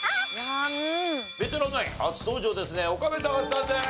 ベテランナイン初登場ですね岡部たかしさんです。